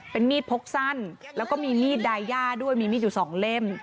เป็นมีดพกสั้นแล้วก็มีมีดดายย่าด้วยมีมีดอยู่สองเล่ม